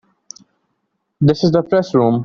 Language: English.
This is the Press Room.